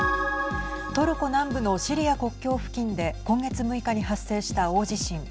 トルコ南部のシリア国境付近で今月６日に発生した大地震。